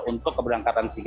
untuk keberangkatan singkat